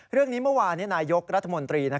เรื่องนี้เมื่อวานนายกรัฐมนตรี